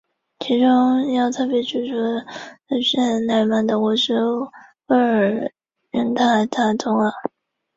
该站位于杨春湖路与明德路的交汇处。